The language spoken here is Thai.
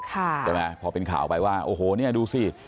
ใช่ไหมพอเป็นข่าวไปว่าโอ้โหเนี่ยดูสิ